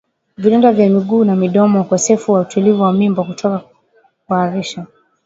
vidonda vya miguu na midomo ukosefu wa utulivu mimba kutoka kuharisha